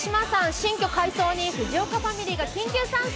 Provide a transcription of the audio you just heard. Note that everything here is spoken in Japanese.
新居改装に藤岡ファミリーが緊急参戦。